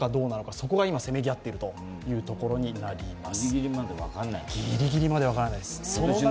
そこが今、せめぎ合っているというところになります。